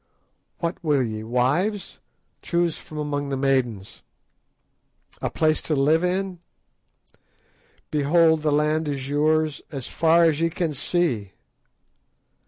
What will ye—wives? Choose from among the maidens! A place to live in? Behold, the land is yours as far as ye can see.